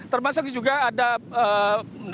termasuk juga ada nonton berbunyi